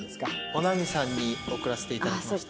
おなみさんに送らせていただきました。